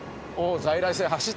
在来線